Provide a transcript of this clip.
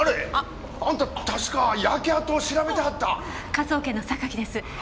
科捜研の榊です。